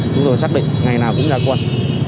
chúng tôi xác định ngày nào cũng ra quân